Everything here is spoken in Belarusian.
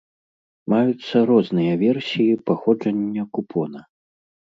Маюцца розныя версіі паходжання купона.